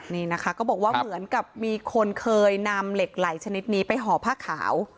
นี่นะคะก็บอกว่าเหมือนกับมีคนเคยนำเหล็กไหลชนิดนี้ไปห่อผ้าขาว